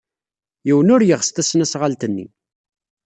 Yiwen ur yeɣs tasnasɣalt-nni.